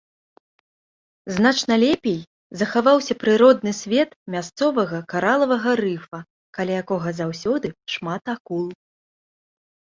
Значна лепей захаваўся прыродны свет мясцовага каралавага рыфа, каля якога заўсёды шмат акул.